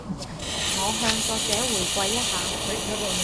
我向作者回饋一下